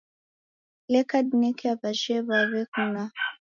Leka dineke aw'aje w'aw'ekuna.